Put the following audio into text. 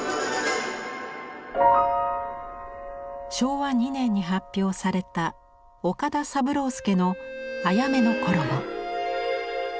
昭和２年に発表された岡田三郎助の「あやめの衣」。